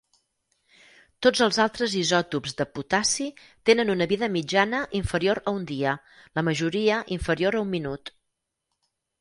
Tots els altres isòtops de potassi tenen una vida mitjana inferior a un dia, la majoria inferior a un minut.